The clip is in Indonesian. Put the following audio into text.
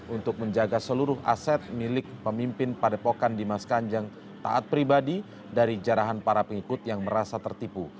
untuk menjaga seluruh aset milik pemimpin padepokan dimas kanjeng taat pribadi dari jarahan para pengikut yang merasa tertipu